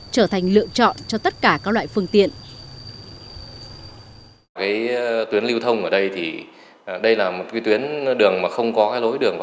trở thành lựa chọn cho tất cả các loại phường